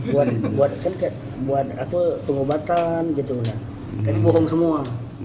buat pengobatan jadi bohong semua